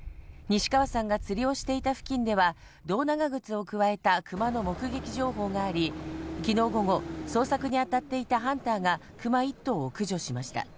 西川さんが釣りをしていた付近では胴長靴をくわえたクマの目撃情報があり、昨日午後、捜索にあたっていたハンターがクマ１頭を駆除しました。